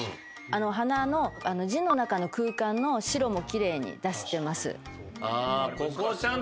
「鼻」の字の中の空間の白も奇麗に出してます。